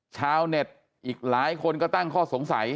ชาวเน็ตอีกหลายคนก็ตั้งข้อสงสัย